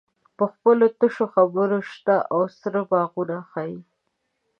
په خپلو تشو خبرو شنه او سره باغونه ښیې.